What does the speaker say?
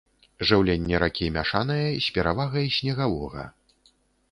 Жыўленне ракі мяшанае, з перавагай снегавога.